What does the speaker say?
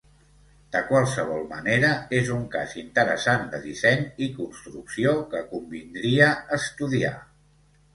De qualsevol manera és un cas interessant de disseny i construcció que convindria estudiar.